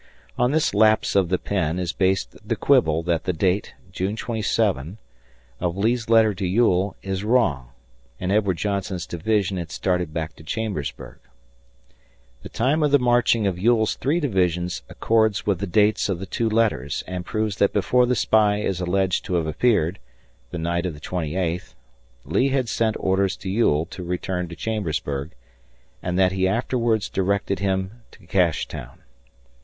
On this lapse of the pen is based the quibble that the date (June 27) of Lee's letter to Ewell is wrong, and Edward Johnson's division had started back to Chambersburg. The time of the marching of Ewell's three divisions accords with the dates of the two letters, and proves that before the spy is alleged to have appeared the night of the twenty eighth Lee had sent orders to Ewell to return to Chambersburg, and that he afterwards directed him to Cashtown.